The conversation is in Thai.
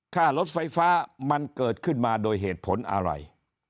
ค่ารถไฟฟ้ามันเกิดขึ้นมาโดยเหตุผลอะไร